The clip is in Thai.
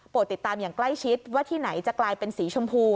ติดตามอย่างใกล้ชิดว่าที่ไหนจะกลายเป็นสีชมพู